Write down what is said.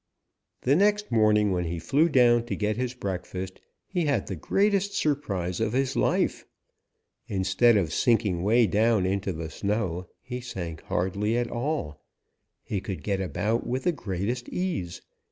"The next morning when he flew down to get his breakfast, he had the greatest surprise of his life. Instead of sinking way down into the snow, he sank hardly at all. He could get about with the greatest ease.